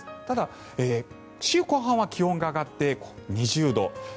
ただ、週後半は気温が上がって２０度。